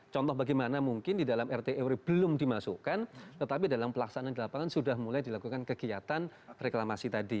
contoh bagaimana mungkin di dalam rt rw belum dimasukkan tetapi dalam pelaksanaan di lapangan sudah mulai dilakukan kegiatan reklamasi tadi